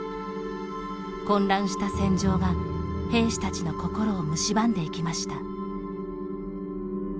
混乱した戦場が、兵士たちの心をむしばんでいきました。